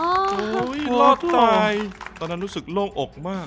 โอ้โหรอดตายตอนนั้นรู้สึกโล่งอกมาก